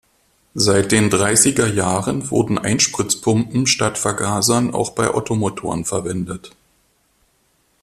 Seit den dreißiger Jahren wurden Einspritzpumpen statt Vergasern auch bei Ottomotoren verwendet.